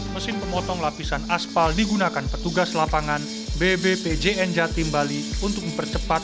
mesin pemotong lapisan aspal digunakan petugas lapangan bbpjn jatim bali untuk mempercepat